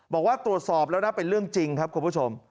บอกว่าตรวจสอบแล้วนะเป็นเรื่องจริงครับคุณผู้ชม